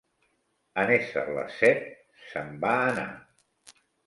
En ésser les set, se'n va anar.